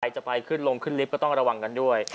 จะไปขึ้นลงขึ้นลิฟต์ก็ต้องระวังกันด้วย